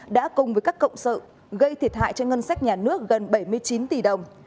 đã cùng với các cộng sự gây thiệt hại cho ngân sách nhà nước gần bảy mươi chín tỷ đồng